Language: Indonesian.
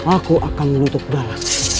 aku akan menutup darah